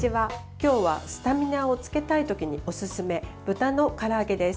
今日はスタミナをつけたい時におすすめ豚のから揚げです。